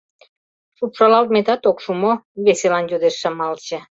— Шупшалалтметат ок шу мо? — веселан йодеш Шымалче.